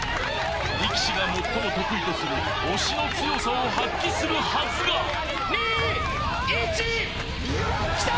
力士が最も得意とする押しの強さを発揮するはずが２１きた！